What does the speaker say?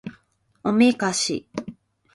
おめかし